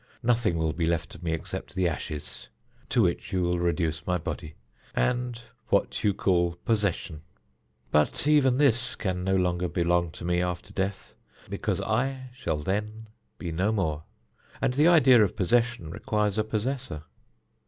Nothing will be left of me except the ashes, to which you will reduce my body, and what you call 'possession.' But even this can no longer belong to me after death, because I shall then be no more, and the idea of possession requires a possessor.